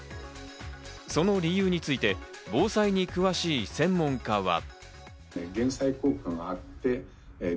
その理由について、防災に詳しい専門家は。